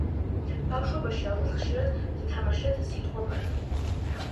ბავშვობაში ალბათ ხშირად გითამაშიათ “სიტყვობანა“ -